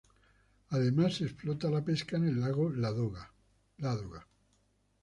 Además se explota la pesca en el lago Ládoga.